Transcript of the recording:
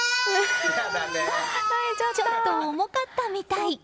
ちょっと重かったみたい。